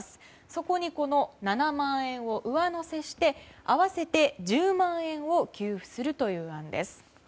そこにこの７万円を上乗せして合わせて１０万円を給付するという案です。